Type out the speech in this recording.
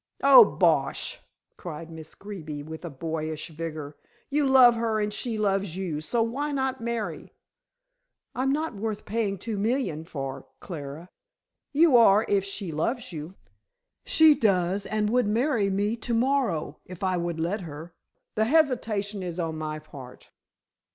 "Oh, bosh!" cried Miss Greeby, with boyish vigor. "You love her and she loves you, so why not marry?" "I'm not worth paying two million for, Clara." "You are, if she loves you." "She does and would marry me to morrow if I would let her. The hesitation is on my part."